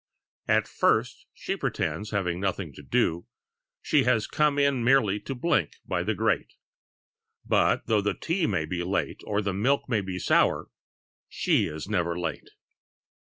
At first she pretends, having nothing to do, She has come in merely to blink by the grate, But, though tea may be late or the milk may be sour She is never late.